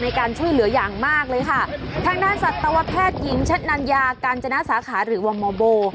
ในการช่วยเหลืออย่างมากเลยค่ะทางด้านสัตวแพทย์หญิงชัดนัญญาการจนาสาขาหรือว่ามโบ